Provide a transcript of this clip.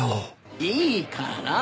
いいから。